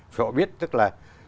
vì họ biết tức là